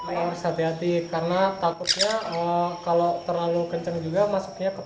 harus hati hati karena takutnya kalau terlalu kencang juga masuknya ke